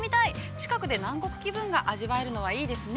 近くで南国気分が味わえるのはいいですね。